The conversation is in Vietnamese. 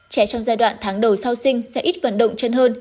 trẻ trong giai đoạn tháng đầu sau sinh sẽ ít vận động chân hơn